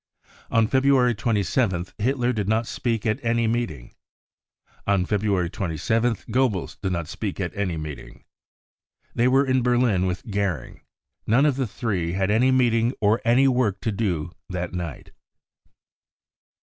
On February 27th Hitler did not speak at, any meeting. On February 27 th Goebbels did not speak at any meeting. They were in Berlin with Goering. None of the three had any meeting or any work to do that night.